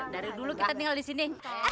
dari dulu kita tinggal di sini